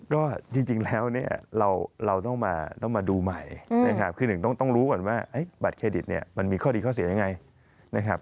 ก็จริงแล้วเนี่ยเราต้องมาดูใหม่นะครับคือหนึ่งต้องรู้ก่อนว่าบัตรเครดิตเนี่ยมันมีข้อดีข้อเสียยังไงนะครับ